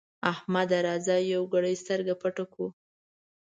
احمده! راځه يوه ګړۍ سترګه پټه کړو.